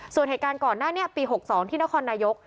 ส่วนเหตุการณ์ก่อนหน้านี้ปี๖๒ที่นครนายก